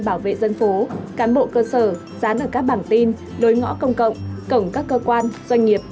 bảo vệ dân phố cán bộ cơ sở dán ở các bản tin lối ngõ công cộng cổng các cơ quan doanh nghiệp